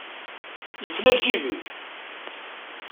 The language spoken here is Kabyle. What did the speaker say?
Yefla lǧib-ik!